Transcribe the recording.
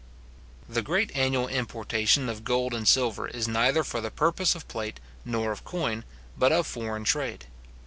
The great annual importation of gold and silver is neither for the purpose of plate nor of coin, but of foreign trade.